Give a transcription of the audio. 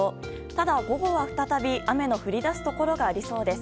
ただ、午後は再び雨の降りだすところがありそうです。